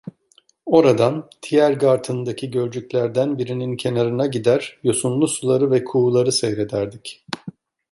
Oradan Tiergarten'deki gölcüklerden birinin kenarına gider, yosunlu suları ve kuğuları seyrederdik.